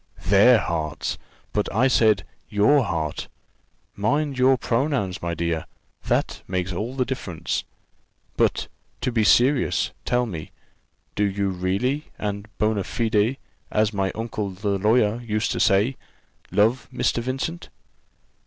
"Their hearts! but I said your heart: mind your pronouns, my dear; that makes all the difference. But, to be serious, tell me, do you really and bona fide, as my old uncle the lawyer used to say, love Mr. Vincent?"